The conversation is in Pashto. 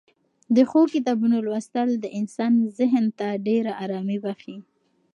د ښو کتابونو لوستل د انسان ذهن ته ډېره ارامي بښي.